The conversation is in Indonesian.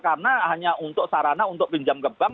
karena hanya untuk sarana untuk pinjam ke bank